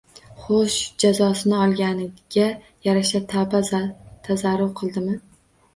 Xo`sh, jazosini olganiga yarasha tavba-tazarru qildimi